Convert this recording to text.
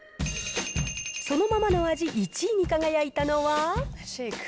そのままの味１位に輝いたのは。